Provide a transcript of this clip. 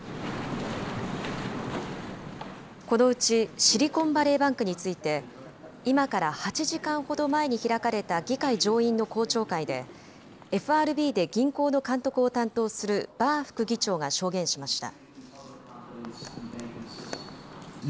このうち、シリコンバレーバンクについて、今から８時間ほど前に開かれた議会上院の公聴会で、ＦＲＢで銀行の監督を担当するバー副議長が証言しました。